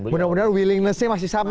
mudah mudahan willingness nya masih sama